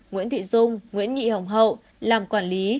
nguyễn thị dung nguyễn thị hồng hậu làm quản lý